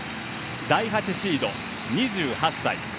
第８シード、２８歳。